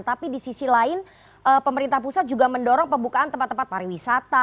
tapi di sisi lain pemerintah pusat juga mendorong pembukaan tempat tempat pariwisata